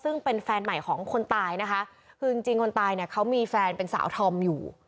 ซึ่งเป็นแฟนใหม่ของคนตายนะคะคือจริงจริงคนตายเนี่ยเขามีแฟนเป็นสาวธอมอยู่